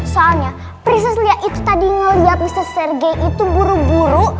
soalnya prinses lia itu tadi ngeliat mister srege itu buru buru